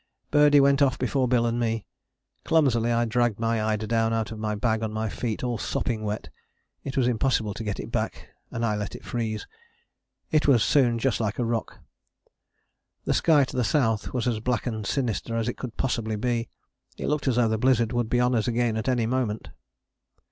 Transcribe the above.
Birdie went off before Bill and me. Clumsily I dragged my eider down out of my bag on my feet, all sopping wet: it was impossible to get it back and I let it freeze: it was soon just like a rock. The sky to the south was as black and sinister as it could possibly be. It looked as though the blizzard would be on us again at any moment.